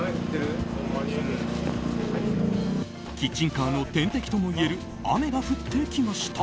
キッチンカーの天敵ともいえる雨が降ってきました。